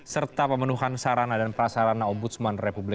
serta pemenuhan sarana dan prasarana ombudsman republik